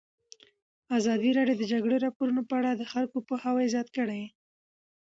ازادي راډیو د د جګړې راپورونه په اړه د خلکو پوهاوی زیات کړی.